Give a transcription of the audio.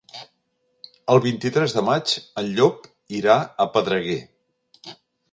El vint-i-tres de maig en Llop irà a Pedreguer.